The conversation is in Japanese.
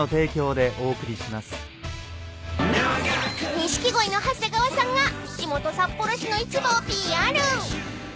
［錦鯉の長谷川さんが地元札幌市の市場をＰＲ］